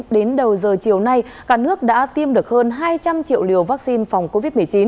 đến đầu giờ chiều nay cả nước đã tiêm được hơn hai trăm linh triệu liều vaccine phòng covid một mươi chín